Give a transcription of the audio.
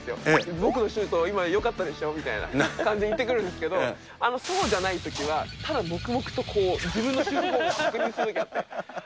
僕のシュート今よかったでしょみたいな感じに言ってくるんですけれども、そうじゃないときは、ただ黙々とこう、自分のシュートを確認するときがあって。